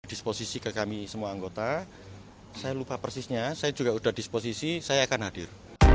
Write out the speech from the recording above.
disposisi ke kami semua anggota saya lupa persisnya saya juga sudah disposisi saya akan hadir